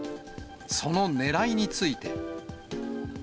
そのねらいについて。